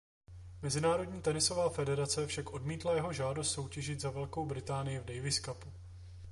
Mezinárodní tenisová federace však odmítla jeho žádost soutěžit za Velkou Británii v Davis Cupu.